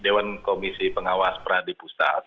di dewan komisi pengawas peradi pusat